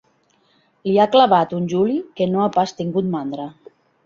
Li ha clavat un juli que no ha pas tingut mandra.